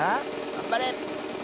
がんばれ！